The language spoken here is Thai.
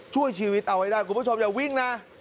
ช่วยชีวิตเอาไว้ได้คุณผู้ชมอย่าวิ่งนะ